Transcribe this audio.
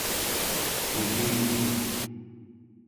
pupicuk